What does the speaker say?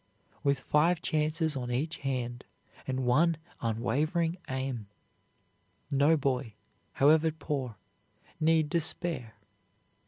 With five chances on each hand and one unwavering aim, no boy, however poor, need despair.